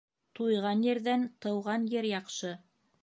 Туйған ерҙән тыуған ер яҡшы.